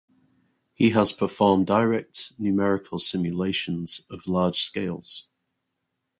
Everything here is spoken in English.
He has performed direct numerical simulations of large scales.